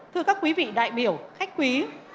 thưa các quý vị đại biểu khách quý